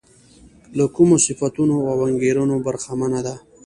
له کومو صفتونو او انګېرنو برخمنه ده.